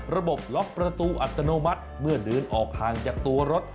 ล็อกประตูอัตโนมัติเมื่อเดินออกห่างจากตัวรถ